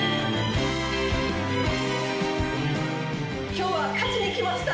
今日は勝ちにきました。